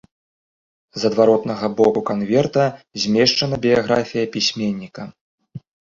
З адваротнага боку канверта змешчана біяграфія пісьменніка.